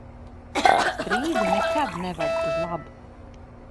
Strīdi nekad neved uz labu.